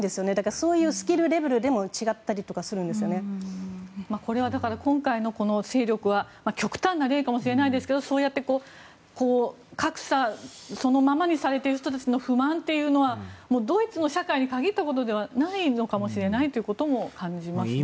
そういうスキルレベルでもこれは今回の勢力は極端な例かもしれませんが格差をそのままにされている人の不満というのはドイツの社会に限ったことではないのかもしれないということも感じますね。